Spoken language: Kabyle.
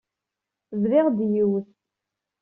Bdiɣ-d yiwet.